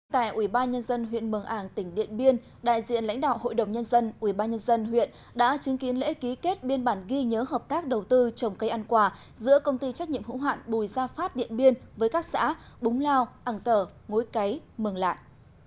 tại ubnd huyện mường ảng tỉnh điện biên đại diện lãnh đạo hội đồng nhân dân ubnd huyện đã chứng kiến lễ ký kết biên bản ghi nhớ hợp tác đầu tư trồng cây ăn quả giữa công ty trách nhiệm hữu hạn bùi gia phát điện biên với các xã búng lao ảng tờ ngối cấy mường lạn